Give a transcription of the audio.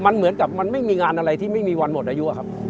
มันเหมือนกับมันไม่มีงานอะไรที่ไม่มีวันหมดอายุอะครับ